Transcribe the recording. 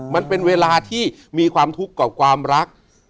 มันเป็นเวลาที่มีความทุกข์กับความรัก